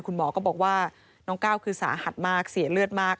คุณหมอก็บอกว่าน้องก้าวคือสาหัสมากเสียเลือดมาก